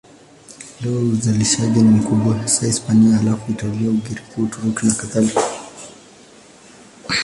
Leo uzalishaji ni mkubwa hasa Hispania, halafu Italia, Ugiriki, Uturuki nakadhalika.